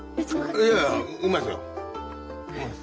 いやうまいっすよ。